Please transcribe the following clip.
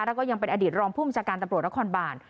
แล้วก็ยังเป็นอดีตรองผู้มูลจากการตำรวจและคอนบ่าน